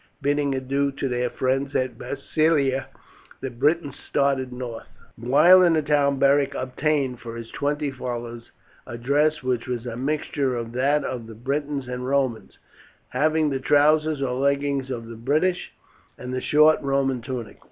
Bidding adieu to their friends at Massilia the Britons started north. While in the town Beric obtained for his twenty followers a dress which was a mixture of that of the Britons and Romans, having the trousers or leggings of the British and the short Roman tunic.